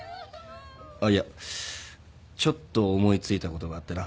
あっいやちょっと思いついたことがあってな。